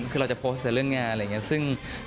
คือเราจะโพสต์เรื่องงานอะไรอย่างนี้